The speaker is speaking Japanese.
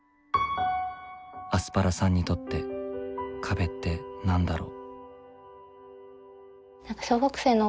アスパラさんにとって壁って何だろう。